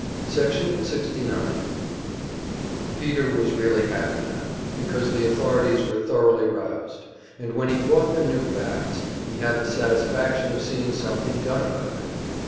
Section 69 Peter was really happy now, because the authorities were thoroughly roused, and when he brought them new facts, he had the satisfaction of seeing something done about it.